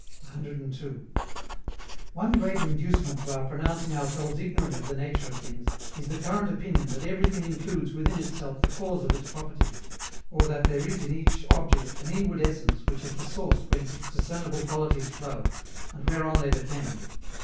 102. One great inducement to our pronouncing ourselves ignorant of the nature of things is the current opinion that everything includes within itself the cause of its properties; or that there is in each object an inward essence which is the source whence its discernible qualities flow, and whereon they depend.